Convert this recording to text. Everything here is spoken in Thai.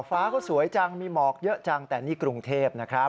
ฟ้าก็สวยจังมีหมอกเยอะจังแต่นี่กรุงเทพนะครับ